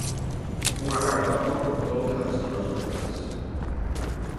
Unha carta de amor doutra das túas noivas.